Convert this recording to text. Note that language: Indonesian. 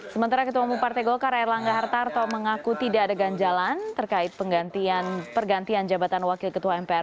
sementara ketua umum partai golkar erlangga hartarto mengaku tidak ada ganjalan terkait pergantian jabatan wakil ketua mpr